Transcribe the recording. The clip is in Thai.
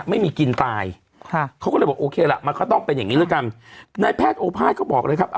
ไอ้แพทย์โอภาทก็บอกเลยครับ